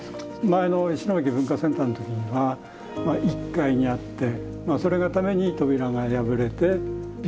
前の石巻文化センターの時には１階にあってそれがために扉が破れて美術資料が被災したと。